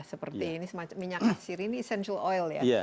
seperti ini minyak asir ini essential oil ya